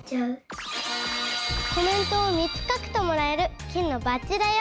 コメントを３つ書くともらえる金のバッジだよ。